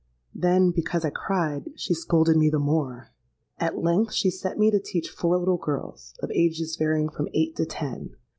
Then, because I cried, she scolded me the more. At length she set me to teach four little girls, of ages varying from eight to ten.